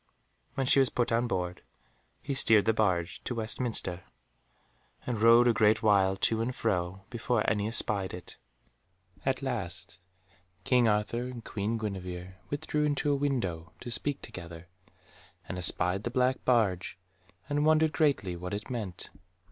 When she was put on board, he steered the barge to Westminster and rowed a great while to and fro, before any espied it. At last King Arthur and Queen Guenevere withdrew into a window, to speak together, and espied the black barge, and wondered greatly what it meant.